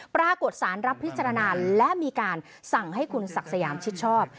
ปรากฏสารรับพิจารณาและมีการสั่งให้คุณศักดิ์สยามชิดชอบ